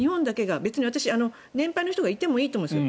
私、年配の人がいてもいいと思うんです。